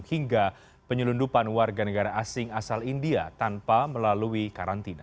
hingga penyelundupan warga negara asing asal india tanpa melalui karantina